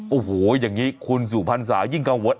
โอ้โหอย่างนี้คุณสุพรรษายิ่งกังวล